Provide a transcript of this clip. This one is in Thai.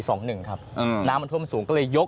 สองหนึ่งครับน้ำมันท่วมสูงก็เลยยก